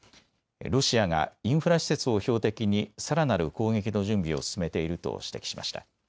ロシアがインフラ施設を標的にさらなる攻撃の準備を進めていると指摘しました。